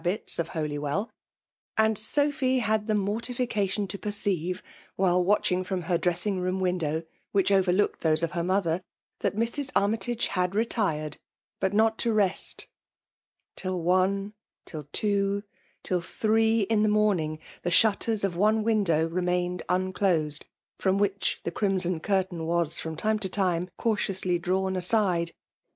219 lUibitB of Holywell ; and Sophy had the moiv tificatkm to perceive, while watching from he^ dresfling rQoin window^ which overlooked those of her mother, that Mrs. Armytage had retired — ^but not to rest ; till one — ^till two — ^till three in the morning, the shutters of one window re mained nnelosed» from which the crimson cur tain waSj from time to time, cautiously drawn aside.'